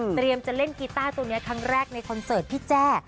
จะเล่นกีต้าตัวนี้ครั้งแรกในคอนเสิร์ตพี่แจ้